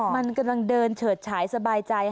มันกำลังเดินเฉิดฉายสบายใจ